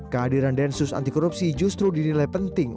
kehadiran densus anti korupsi justru dinilai penting